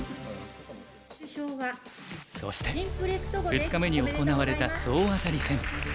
そして２日目に行われた総当たり戦。